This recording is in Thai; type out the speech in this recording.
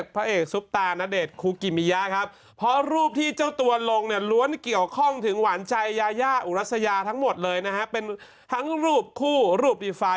เพราะรูปที่เจ้าตัวลงเนี่ยล้วนเกี่ยวข้องถึงหวานใจยาย่าอุฬัสยาทั้งหมดเลยนะฮะเป็นทั้งรูปคู่รูปอีฟา